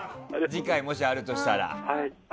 次回、もしあるとしたら。